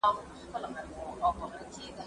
زه کالي نه وچوم!.